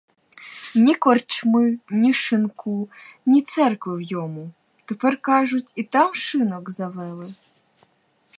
Ні корчми, ні шинку, ні церкви в йому; тепер, кажуть, і там шинок завели.